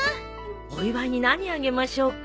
お祝いに何あげましょうか。